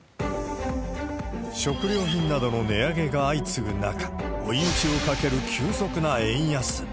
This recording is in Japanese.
食料品などの値上げが相次ぐ中、追い打ちをかける急速な円安。